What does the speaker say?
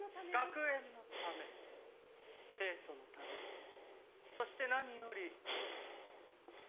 学園のため生徒のためそして何より。